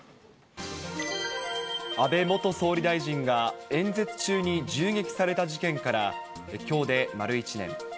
安倍元総理大臣が演説中に銃撃された事件から、きょうで丸１年。